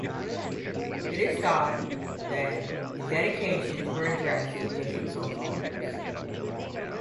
It is thought that that the dedications were addressed to different social groups.